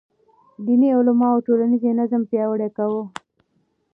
دیني علماو ټولنیز نظم پیاوړی کاوه.